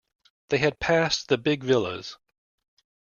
They had passed the big villas.